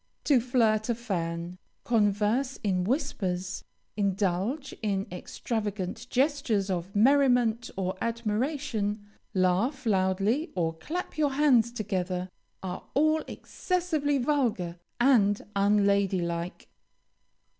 To flirt a fan, converse in whispers, indulge in extravagant gestures of merriment or admiration, laugh loudly or clap your hands together, are all excessively vulgar and unlady like.